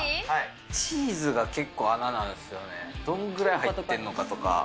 チーズが結構穴なんですよね、どんぐらい入ってるのかとか。